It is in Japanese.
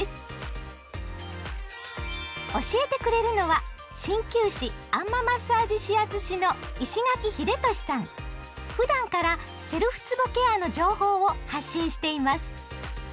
教えてくれるのは鍼灸師あん摩マッサージ指圧師のふだんからセルフつぼケアの情報を発信しています。